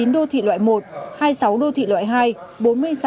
một mươi đô thị loại một hai mươi sáu đô thị loại hai